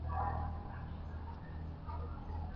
ya Mt Fransisko yamethibitishwa na historia Kwa hiyo si vibaya